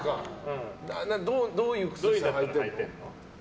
どういう靴下はいてるの？